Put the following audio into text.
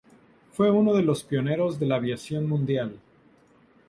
Fue uno de los pioneros de la aviación mundial.